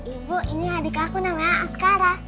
ibu ini adik aku namanya askara